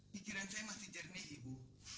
pikiran saya masih jernih ibu